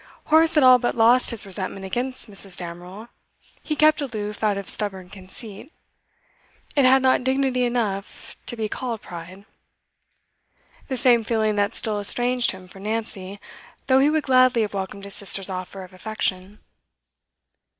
Horace had all but lost his resentment against Mrs. Damerel; he kept aloof out of stubborn conceit it had not dignity enough to be called pride; the same feeling that still estranged him from Nancy, though he would gladly have welcomed his sister's offer of affection.